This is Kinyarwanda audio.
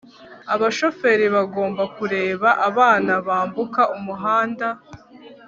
abashoferi bagomba kureba abana bambuka umuhanda